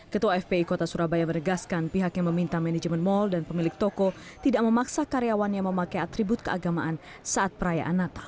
ketua fpi kota surabaya meregaskan pihak yang meminta manajemen mal dan pemilik toko tidak memaksa karyawan yang memakai atribut keagamaan saat perayaan natal